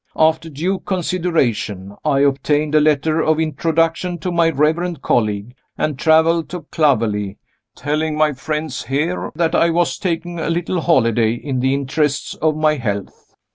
After due consideration, I obtained a letter of introduction to my reverend colleague, and traveled to Clovelly telling my friends here that I was taking a little holiday, in the interests of my health.